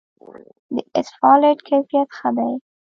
د اسفالټ کیفیت ښه دی؟